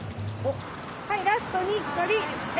はいラストにっこり！